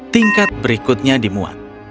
tingkat berikutnya dimuat